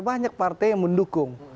banyak partai yang mendukung